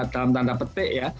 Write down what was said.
dalam tanda petik ya